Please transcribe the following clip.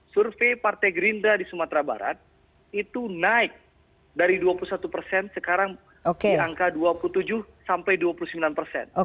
survei partai gerindra di sumatera barat itu naik dari dua puluh satu persen sekarang di angka dua puluh tujuh sampai dua puluh sembilan persen